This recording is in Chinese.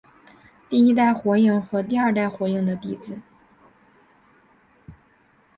第一代火影和第二代火影的弟子。